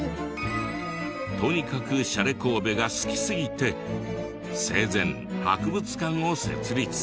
とにかくシャレコーベが好きすぎて生前博物館を設立。